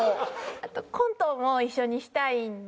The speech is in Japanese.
あとコントも一緒にしたいんで。